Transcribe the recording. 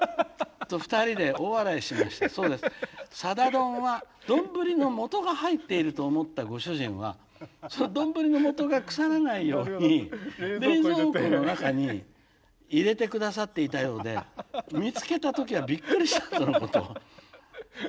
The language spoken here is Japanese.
『さだ丼』は丼のもとが入っていると思ったご主人はその丼のもとが腐らないように冷蔵庫の中に入れて下さっていたようで見つけた時はびっくりしたとのこと」。